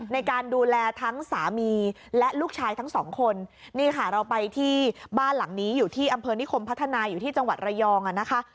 ในการดูแลทั้งสามีและลูกชายทั้งสองคนนี่ค่ะเราไปที่บ้านหลังนี้อยู่ที่อำเภอนิคมพัฒนาอยู่ที่จังหวัดระยองอ่ะนะคะ